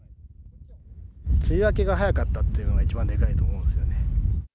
梅雨明けが早かったっていうのが、一番でかいと思いますよね。